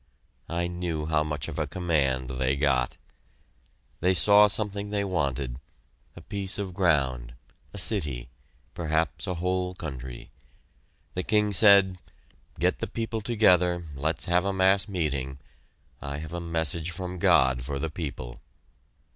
I knew how much of a command they got. They saw something they wanted, a piece of ground, a city, perhaps a whole country. The king said, "Get the people together; let's have a mass meeting; I have a message from God for the people!"